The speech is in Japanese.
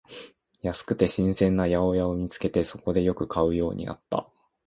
安くて新鮮な八百屋を見つけて、そこでよく買うようになった